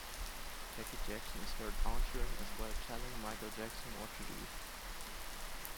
Jackie Jackson is heard answering as well telling Michael Jackson what to do.